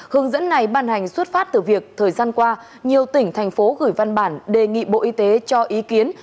hướng dẫn này ban hành xuất phát từ việc thời gian qua nhiều tỉnh thành phố gửi văn bản đề nghị bộ y tế cho ý kiến